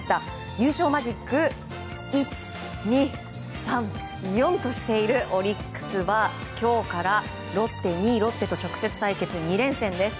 優勝マジック１、２、３、４としているオリックスは今日から２位、ロッテと直接対決２連戦です。